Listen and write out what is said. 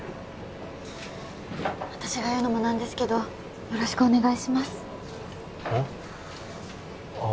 私が言うのも何ですけどよろしくお願いしますうんっ？